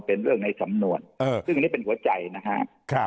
เป็นเรื่องในสำนวนซึ่งอันนี้เป็นหัวใจนะครับ